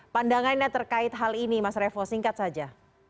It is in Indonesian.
pandangan yang terkait hal ini mas revo singkat saja